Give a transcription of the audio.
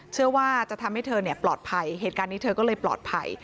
เชื่อว่าจะทำให้เธอปลอดภัยเหตุการณ์นี้เธอก็เลยปลอดภัย